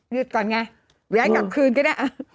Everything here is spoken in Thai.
ก่อนไงย้ายกลับคืนก็ได้